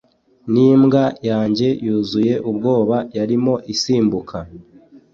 nimbwa yanjye yuzuye ubwoya yarimo isimbuka